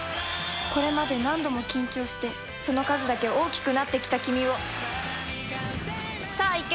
これまで何度も緊張してその数だけ大きくなってきたキミをさぁいけ！